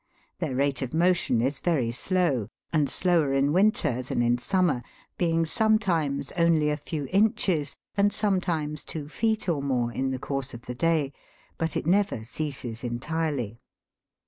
Their rate of motion is very slow, and slower in winter than in summer, being sometimes only a few inches, and sometimes two feet or more in the course of the day, but it never ceases entirely (Fig.